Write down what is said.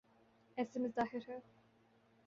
ایسے میں ظاہر ہے۔